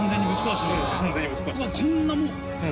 うわこんなもう。